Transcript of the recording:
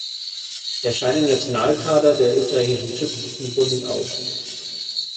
Er scheint im Nationalkader des Österreichischen Schützenbundes auf.